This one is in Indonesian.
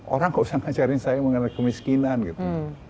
orang gak usah ngajarin saya mengenai kemiskinan gitu